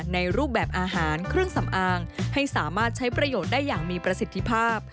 ในรูปแบบอาหารเครื่องสำอางให้สามารถใช้ประโยชน์ได้อย่างมีประสิทธิภาพ